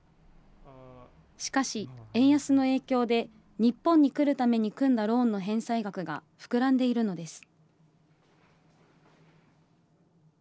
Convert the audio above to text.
しかし、円安の影響で日本に来るために組んだローンの返済額が膨らんでいるのです。